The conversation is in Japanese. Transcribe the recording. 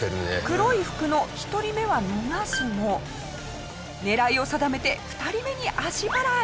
黒い服の１人目は逃すも狙いを定めて２人目に足払い。